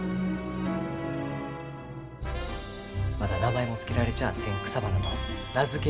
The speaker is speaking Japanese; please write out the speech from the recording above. まだ名前も付けられちゃあせん草花の名付け親になりたいがよ。